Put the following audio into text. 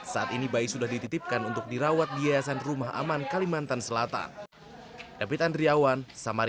saat ini bayi sudah dititipkan untuk dirawat di yayasan rumah aman kalimantan selatan